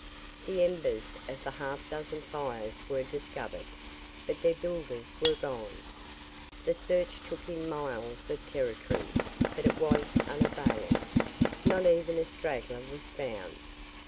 The embers of the half dozen fires were discovered, but their builders were gone. The search took in miles of territory, but it was unavailing. Not even a straggler was found.